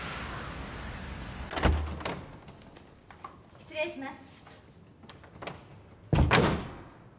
失礼します。